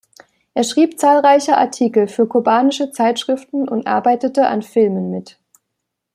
Er schrieb zahlreiche Artikel für kubanische Zeitschriften und arbeitete an Filmen mit.